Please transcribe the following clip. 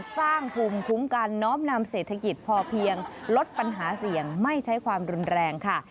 สร้างภูมิคุ้มกันน้อมนำเศรษฐกิจพอเพียงลดปัญหาเสี่ยงไม่ใช้ความรุนแรงค่ะ